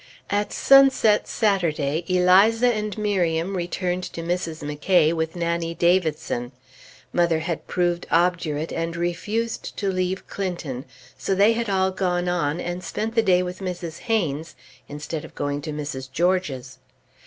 At sunset Saturday, Eliza and Miriam returned to Mrs. McCay's with Nannie Davidson. Mother had proved obdurate and refused to leave Clinton; so they had all gone on, and spent the day with Mrs. Haynes instead of going to Mrs. George's.